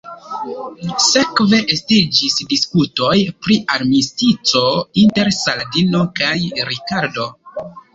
Sekve estiĝis diskutoj pri armistico inter Saladino kaj Rikardo.